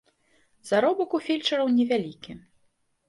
Заробак у фельчараў невялікі.